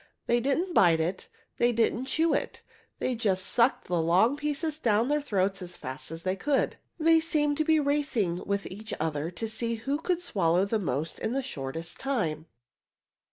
They didn't bite it, they didn't chew it, they just sucked the long pieces down their throats as fast as they could. They seemed to be racing with each other to see who could swallow the most in the shortest time.